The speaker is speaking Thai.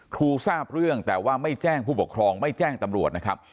ทราบเรื่องแต่ว่าไม่แจ้งผู้ปกครองไม่แจ้งตำรวจนะครับ